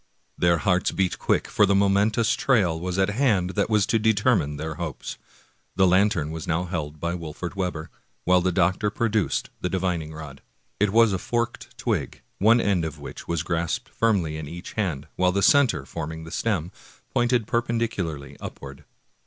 Their hearts beat quick, for the momentous trial was at hand that w^as to determine their hopes. The lantern was now held by Wolfert Webber, while the doctor produced the divining rod. It was a forked twig, one end of which was grasped firmly in each hand, while the center, forming the stem, pointed perpendicularly up ward.